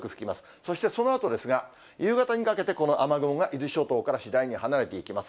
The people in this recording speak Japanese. そしてそのあとですが、夕方にかけてこの雨雲が伊豆諸島から次第に離れていきます。